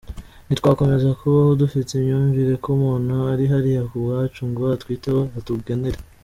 Ntitwakomeza kubaho dufite imyumvire ko umuntu ari hariya ku bwacu, ngo atwiteho, atugenere.